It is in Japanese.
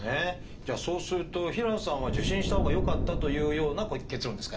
じゃあそうすると平野さんは受診したほうがよかったというような結論ですか？